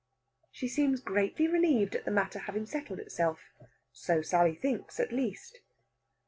She seems greatly relieved at the matter having settled itself so Sally thinks, at least.